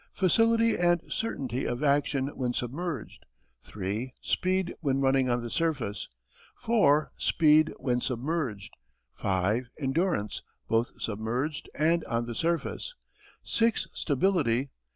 Facility and certainty of action when submerged. 3. Speed when running on the surface. 4. Speed when submerged. 5. Endurance, both submerged and on the surface. 6. Stability.